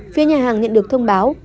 phía nhà hàng nhận được thông báo